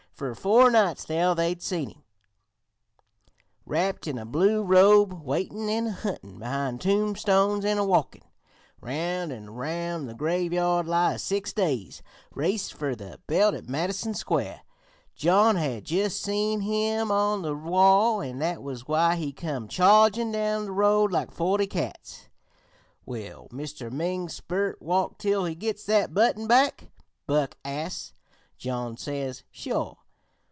Fer four nights now they'd seen him, wrapped in a blue robe, waitin' an' a huntin' behind tombstones an' walkin' round an' round the graveyard lie a six days' race fer the belt at Madison Square. John had jus' seen him on the wall, an' that was why he come chargin' down the road like forty cats. "'Will Mr. Ming's sperrit walk till he gits that button back?' Buck asts. John says: 'Sure.'